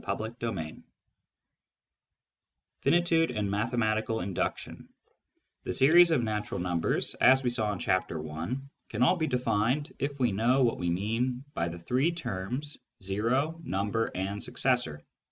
CHAPTER III FINITUDE AND MATHEMATICAL INDUCTION The series of natural numbers, as we saw in Chapter I., can all be defined if we know what we mean by the three terms " o," " number," and " successor."